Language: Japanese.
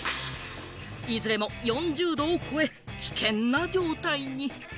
いずれも４０度を超え、危険な状態に。